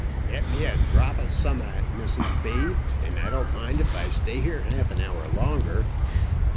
"Get me a drop o' summat, Mrs B., and I don't mind if I stay here half an hour longer."